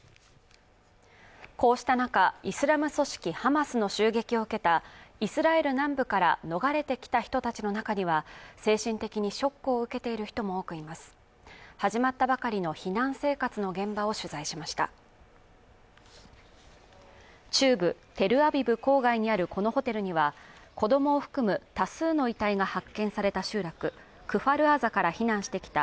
こうした中イスラム組織ハマスの襲撃を受けたイスラエル南部から逃れてきた人たちの中には精神的にショックを受けている人も多くいます始まったばかりの避難生活の現場を取材しました中部テルアビブ郊外にあるこのホテルには子どもを含む多数の遺体が発見された集落クファルアザから避難してきた